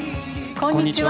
こんにちは。